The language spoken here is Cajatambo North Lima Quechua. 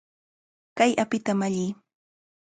¡Kay apita malliy!